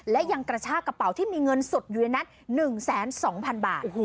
และยังกระชากระเป๋าที่มีเงินสดอยู่ในนั้นหนึ่งแสนสองพันบาทโอ้โห